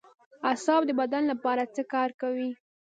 اعصاب د بدن لپاره څه کار کوي